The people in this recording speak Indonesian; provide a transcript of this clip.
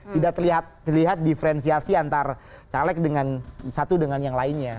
tidak terlihat diferensiasi antara caleg dengan satu dengan yang lainnya